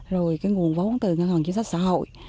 rồi cái nguồn vốn từ ngân hàng chính sách xã hội